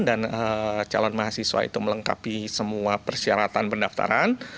dan calon mahasiswa itu melengkapi semua persyaratan pendaftaran